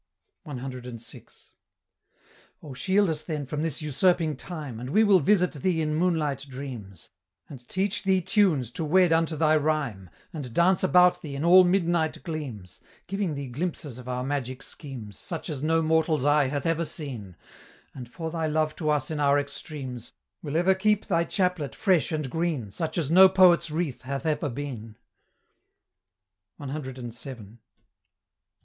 CVI. "O shield us then from this usurping Time, And we will visit thee in moonlight dreams; And teach thee tunes, to wed unto thy rhyme, And dance about thee in all midnight gleams, Giving thee glimpses of our magic schemes, Such as no mortal's eye hath ever seen; And, for thy love to us in our extremes, Will ever keep thy chaplet fresh and green, Such as no poet's wreath hath ever been!" CVII.